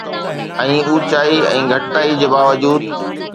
۽ اونچائي ۽ گهٽتائي جي باوجود